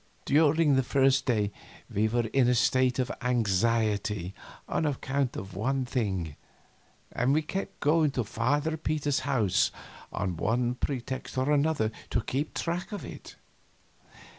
During the first day we were in a state of anxiety on account of one thing, and we kept going to Father Peter's house on one pretext or another to keep track of it.